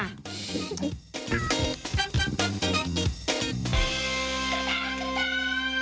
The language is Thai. จ้าจ้า